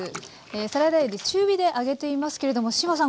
サラダ油で中火で揚げていますけれども志麻さん